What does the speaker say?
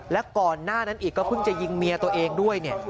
และก่อนหน้านั้นอีกก็เพิ่งจะยิงเมียตัวเองด้วยเนี่ย